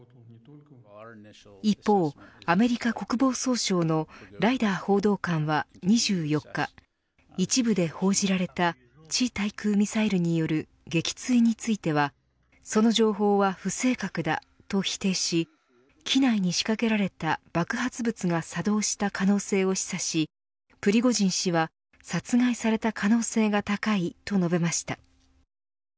一方、アメリカ国防総省のライダー報道官は２４日一部で報じられた地対空ミサイルによる撃墜についてはその情報は不正確だと否定し機内に仕掛けられた爆発物が作動した可能性を示唆しプリゴジン氏は殺害された可能性が高いと述べました。